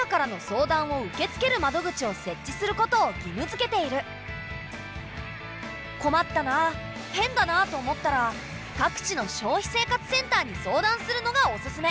ほかにも「困ったな変だな」と思ったら各地の消費生活センターに相談するのがおすすめ。